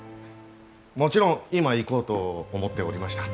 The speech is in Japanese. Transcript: もちろん今行こうと思っておりました。